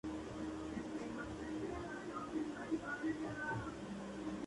Pero detrás de su aparente altruismo se esconde una venganza de siglos de antigüedad.